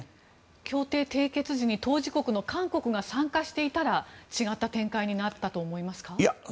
協定締結時に当事国の韓国が参加していたら違った展開になったと思いますか？